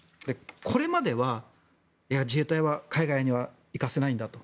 これまでは自衛隊は海外には行かせないんだと。